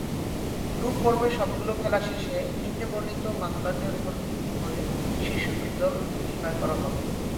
Group পর্বের সবগুলো খেলা শেষে নিম্নে বর্ণিত মানদণ্ডের উপর ভিত্তি করে শীর্ষ দুই দল নির্ণয় করা হবে।